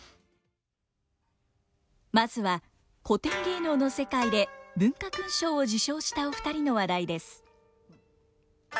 まずは古典芸能の世界で文化勲章を受章したお二人の話題です。